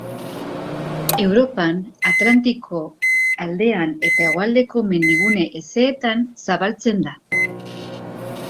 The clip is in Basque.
Europan, Atlantiko aldean eta hegoaldeko mendigune hezeetan zabaltzen da.